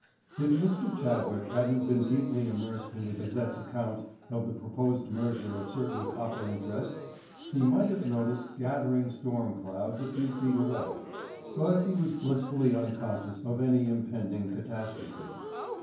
If Mr. Chadwick hadn't been deeply immersed in the Gazette's account of the proposed merger of certain copper interests he might have noticed gathering storm clouds a few feet away, but he was blissfully unconscious of any impending catastrophe.